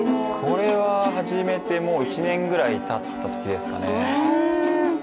これは初めて１年くらいたったときですかね。